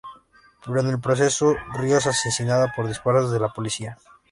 Pero en el proceso, Río es asesinada por disparos de la policía.